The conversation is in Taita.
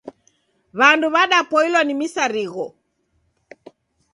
W'andu w'adapoilwa ni misarigho.